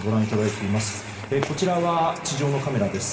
こちらは地上のカメラです。